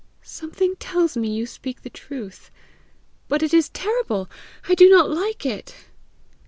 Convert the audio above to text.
"Something tells me you speak the truth; but it is terrible! I do not like it."